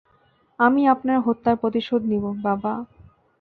আমি আপনার হত্যার প্রতিশোধ নিবো, বাবা!